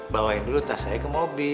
bawahin dulu tas aja ke mobil